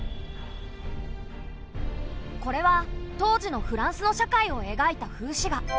これは当時のフランスの社会をえがいた風刺画。